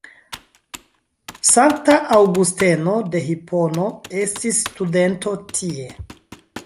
Sankta Aŭgusteno de Hipono estis studento tie.